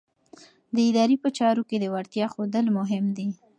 د ادارې په چارو کې د وړتیا ښودل مهم دي.